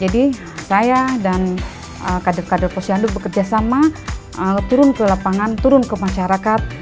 jadi saya dan kader kader posyandu bekerja sama turun ke lapangan turun ke masyarakat